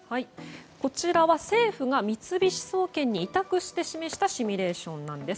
こちらは政府が三菱総研に委託して示したシミュレーションです。